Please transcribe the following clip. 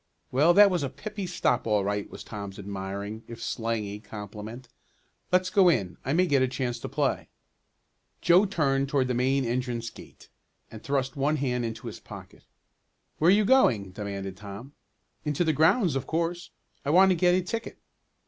"Well, that was a pippy stop all right," was Tom's admiring, if slangy, compliment. "Let's go in, I may get a chance to play." Joe turned toward the main entrance gate, and thrust one hand into his pocket. "Where you going?" demanded Tom. "Into the grounds of course. I want to get a ticket."